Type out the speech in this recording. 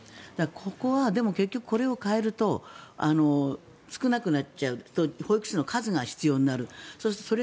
ここはでも、結局これを変えると少なくなっちゃう保育士の数が必要になっちゃう。